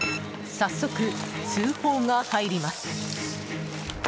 早速、通報が入ります。